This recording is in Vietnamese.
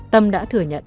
tâm đã thừa nhận